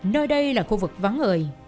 nơi đây là khu vực vắng ngời